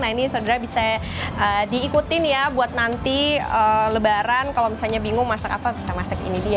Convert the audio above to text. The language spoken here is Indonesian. nah ini saudara bisa diikutin ya buat nanti lebaran kalau misalnya bingung masak apa bisa masak ini dia